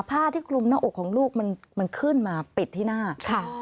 ผ้าที่คลุมหน้าอกของลูกมันมันขึ้นมาปิดที่หน้าค่ะ